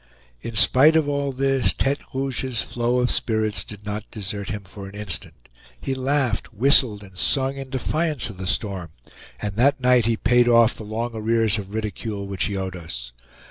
In spite of all this, Tete Rouge's flow of spirits did not desert him for an instant, he laughed, whistled, and sung in defiance of the storm, and that night he paid off the long arrears of ridicule which he owed us.